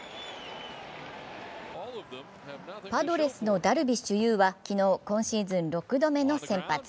パドレスのダルビッシュ有は昨日、今シーズン６度目の先発。